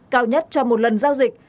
cao nhất cho một lần giao dịch